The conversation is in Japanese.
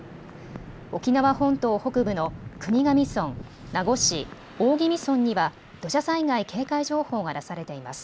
沖縄本島北部の国頭村、名護市、大宜味村には土砂災害警戒情報が出されています。